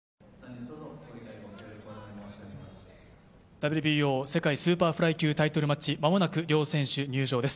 ＷＢＯ世界スーパーフライ級タイトルマッチ、間もなく両選手入場です。